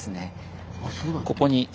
ここに。